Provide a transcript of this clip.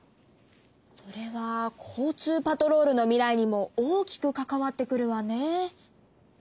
それは交通パトロールの未来にも大きく関わってくるわね。